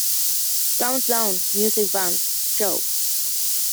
Countdown", "Music Bank", "Show!